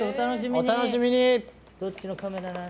お楽しみに。